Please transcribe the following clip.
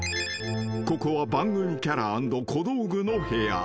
［ここは番組キャラ＆小道具の部屋］